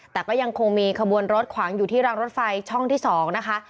แต่ก็ยังคงมีขบวนรถขวางอยู่ที่รางรถไฟช่องที่๒นะคะ